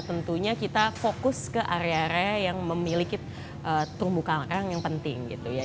tentunya kita fokus ke area area yang memiliki terumbu karang yang penting gitu ya